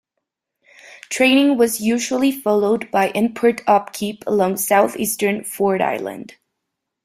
Training was usually followed by in-port upkeep along southeastern Ford Island.